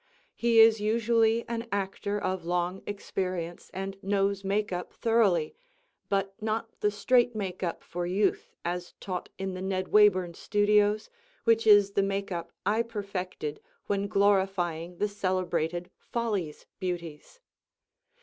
He is usually an actor of long experience, and knows makeup thoroughly, but not the straight makeup for youth as taught in the Ned Wayburn Studios which is the makeup I perfected when glorifying the celebrated "Follies" beauties.